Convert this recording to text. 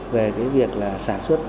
về việc sản xuất